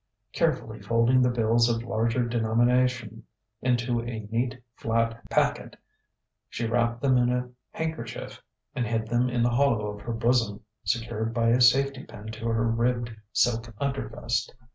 Carefully folding the bills of larger denomination into a neat, flat packet, she wrapped them in a handkerchief and hid them in the hollow of her bosom, secured by a safety pin to her ribbed silk undervest.